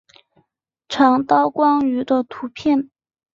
长刀光鱼的图片